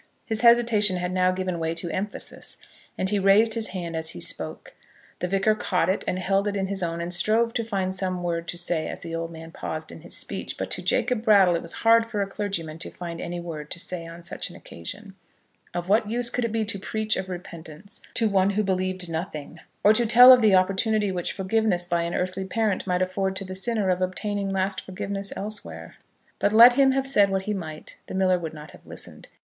His hesitation had now given way to emphasis, and he raised his hand as he spoke. The Vicar caught it and held it in his own, and strove to find some word to say as the old man paused in his speech. But to Jacob Brattle it was hard for a clergyman to find any word to say on such an occasion. Of what use could it be to preach of repentance to one who believed nothing; or to tell of the opportunity which forgiveness by an earthly parent might afford to the sinner of obtaining lasting forgiveness elsewhere? But let him have said what he might, the miller would not have listened.